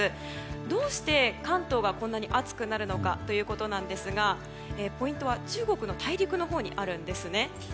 どうして関東がこんなに暑くなるのかということですがポイントは中国大陸のほうにあるんです。